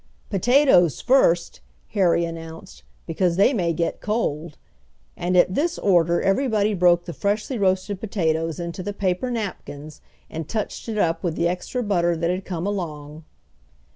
"Potatoes first!" Harry announced, "because they may get cold," and at this order everybody broke the freshly roasted potatoes into the paper napkins and touched it up with the extra butter that had come along.